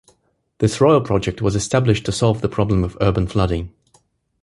This royal project was established to solve the problem of urban flooding.